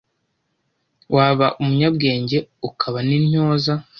Waba umunyabwenge ukaba n,intyoza